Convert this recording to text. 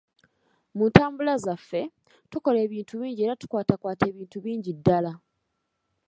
Mu ntambula zaffe, tukola ebintu bingi era tukwatakwata ebintu bingi ddala.